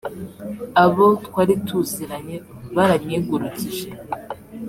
abo twari tuziranye baranyigurukije